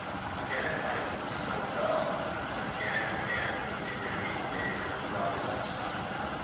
Again at night the snow fell; and again and again, with intervening days of bright sunshine.